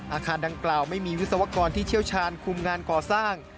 อาคารดังกล่าวไม่มีวิศวกรที่เชี่ยวชาญคุมงานก่อสร้าง